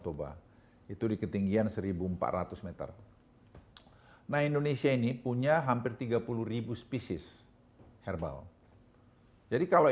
toba itu di ketinggian seribu empat ratus m nah indonesia ini punya hampir tiga puluh spesies herbal jadi kalau